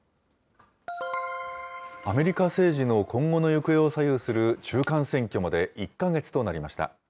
アメリカ政治の今後の行方を左右する中間選挙まで１か月となりました。